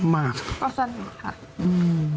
มากก็สนิทค่ะอืม